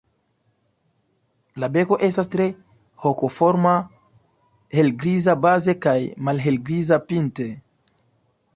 La beko estas tre hokoforma, helgriza baze kaj malhelgriza pinte.